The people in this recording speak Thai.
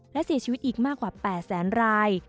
และเสียชีวิตอีกมากกว่า๘แสนราย